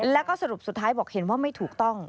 แล้วก็สรุปสุดท้ายบอกเห็นว่าไม่ถูกต้อง